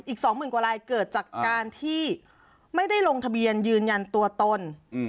สองหมื่นกว่าลายเกิดจากการที่ไม่ได้ลงทะเบียนยืนยันตัวตน